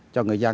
cho người dân